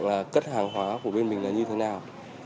và cất hàng hóa của bên mình là như thế nào